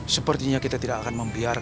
sepertinya kita tidak akan membiarkan